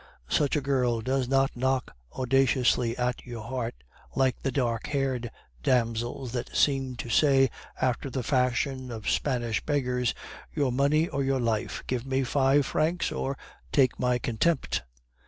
Such a girl does not knock audaciously at your heart, like the dark haired damsels that seem to say after the fashion of Spanish beggars, 'Your money or your life; give me five francs or take my contempt!